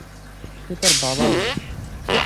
সে তার বাবার মতো।